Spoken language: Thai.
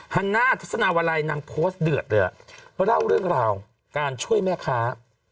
ฮันน่าทัศนาวลัยนางโพสต์เดือดเลยเล่าเรื่องราวการช่วยแม่ค้า